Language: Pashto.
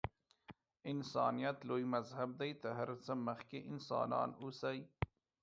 انسانیت لوی مذهب دی. تر هر څه مخکې انسانان اوسئ.